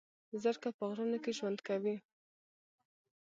زرکه په غرونو کې ژوند کوي